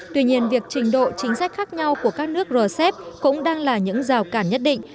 tuy nhiên việc trình độ chính sách khác nhau của các nước rcep cũng đang là những rào cản nhất định